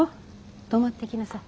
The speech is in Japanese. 泊まっていきなさい。